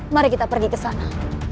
mari kita pergi ke sana